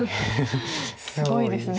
すごいです。